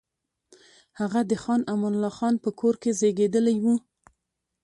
هغه د خان امان الله خان په کور کې زېږېدلی وو.